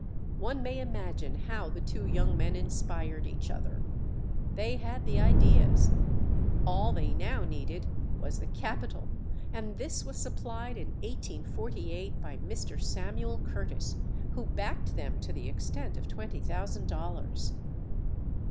One may imagine how the two young men inspired each other. They had the ideas; all they now needed was the capital and this was supplied in 1848 by Mr. Samuel Curtis, who backed them to the extent of twenty thousand dollars.